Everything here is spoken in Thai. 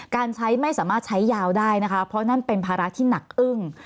การใช้ไม่สามารถใช้ยาวได้นะคะเพราะนั่นเป็นภาระที่หนักอึ้ง